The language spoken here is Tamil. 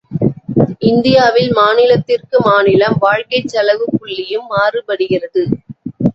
இந்தியாவில் மாநிலத்திற்கு மாநிலம் வாழ்க்கைச்செலவுப் புள்ளியும் மாறுபடுகிறது.